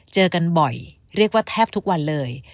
เจอกันบ่อยเรียกว่าแทบทุกวันเลย